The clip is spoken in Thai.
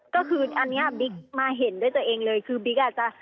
ก็คืออันนี้บิ๊กมาเห็นด้วยตัวเองเลยคือบิ๊กอาจจะ